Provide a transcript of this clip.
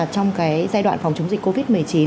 trong giai đoạn phòng chống dịch covid một mươi chín